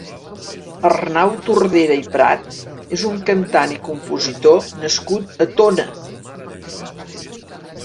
Arnau Tordera i Prat és un cantant i compositor nascut a Tona.